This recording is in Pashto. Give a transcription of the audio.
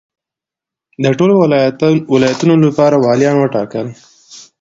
د ټولو ولایتونو لپاره والیان وټاکل.